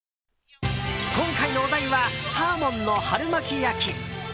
今回のお題はサーモンの春巻き焼き。